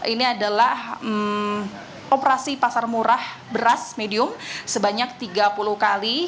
ini adalah operasi pasar murah beras medium sebanyak tiga puluh kali